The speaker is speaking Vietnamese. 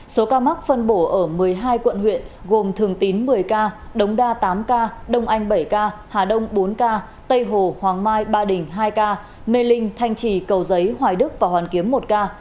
số ca mắc phân bổ ở một mươi hai quận huyện gồm thường tín một mươi ca đống đa tám ca đông anh bảy ca hà đông bốn ca tây hồ hoàng mai ba đình hai ca mê linh thanh trì cầu giấy hoài đức và hoàn kiếm một ca